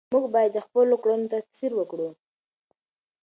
موږ باید د خپلو کړنو تفسیر وکړو.